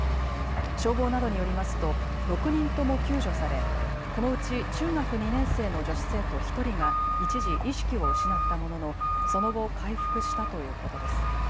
消防などによりますと６人とも救助され、このうち中学２年生の女子生徒１人が一時意識を失ったもののその後回復したということです。